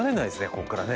こっからね。